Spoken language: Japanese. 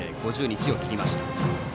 ５０日を切りました。